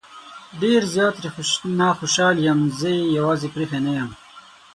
ډېر زيات ترې نه خوشحال يم زه يې يوازې پرېښی نه يم